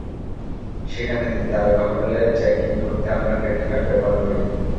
সেখানে তিন তারকা হোটেলে চেকইন করতে আমার ক্রেডিট কার্ড ব্যবহার করি।